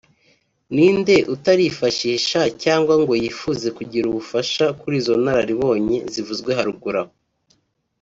ni nde utarifashisha cyangwa ngo yifuze kugira ubufasha kuri izo nararibonye zivuzwe haruguru aho